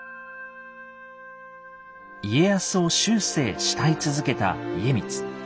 家康を終生慕い続けた家光。